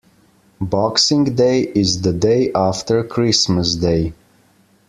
Boxing Day is the day after Christmas Day.